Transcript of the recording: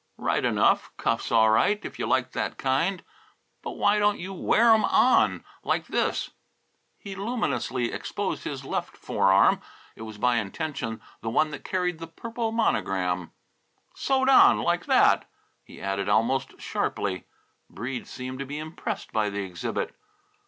"Right enough. Cuffs all right, if you like that kind. But why don't you wear 'em on like this?" He luminously exposed his left forearm. It was by intention the one that carried the purple monogram. "Sewed on, like that!" he added almost sharply. Breede seemed to be impressed by the exhibit.